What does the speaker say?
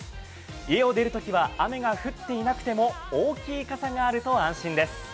家を出るときは雨が降っていなくても大きい傘があると安心です。